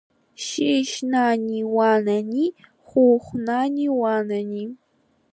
Шьышь, наани, уанаани, хәыхә, наани, уанаани!